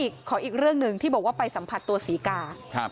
ขออีกเรื่องหนึ่งที่บอกว่าไปสัมผัสตัวศรีกา